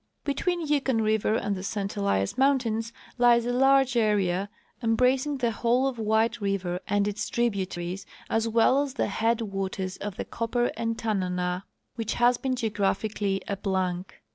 Between Yukon river and the St Elias mountains lies a large area, embracing the whole of White river and its tribu taries, as well as the headwaters of the Copper and Tananah, which has been geographically a blank.